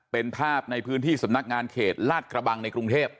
เป็นภาพในพื้นที่สำนักงานเขตลาดกระบังในกรุงเทพ